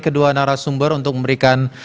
kedua narasumber untuk memberikan